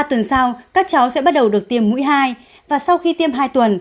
ba tuần sau các cháu sẽ bắt đầu được tiêm mũi hai và sau khi tiêm hai tuần